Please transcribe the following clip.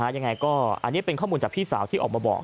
ยังไงก็อันนี้เป็นข้อมูลจากพี่สาวที่ออกมาบอก